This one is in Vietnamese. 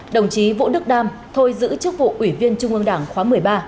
đồng chí vũ đức đam thôi giữ chức vụ ủy viên trung ương đảng khóa một mươi ba